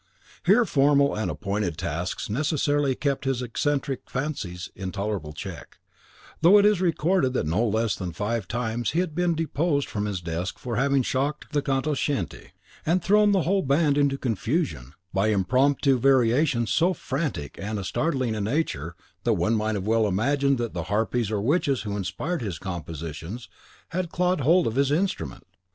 Here formal and appointed tasks necessarily kept his eccentric fancies in tolerable check, though it is recorded that no less than five times he had been deposed from his desk for having shocked the conoscenti, and thrown the whole band into confusion, by impromptu variations of so frantic and startling a nature that one might well have imagined that the harpies or witches who inspired his compositions had clawed hold of his instrument.